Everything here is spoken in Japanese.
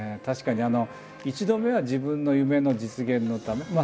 確かに１度目は自分の夢の実現のため。